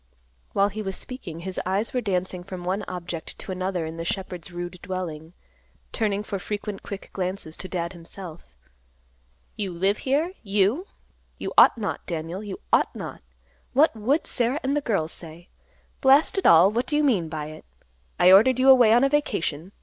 While he was speaking, his eyes were dancing from one object to another in the shepherd's rude dwelling, turning for frequent quick glances to Dad himself. "You live here, you? You ought not, Daniel, you ought not. What would Sarah and the girls say? Blast it all; what do you mean by it? I ordered you away on a vacation.